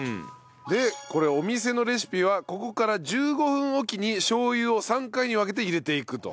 でこれお店のレシピはここから１５分おきにしょう油を３回に分けて入れていくと。